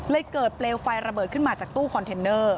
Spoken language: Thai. เกิดเปลวไฟระเบิดขึ้นมาจากตู้คอนเทนเนอร์